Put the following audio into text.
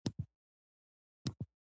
موږ له دوو فلسفي لیدلورو کار اخلو.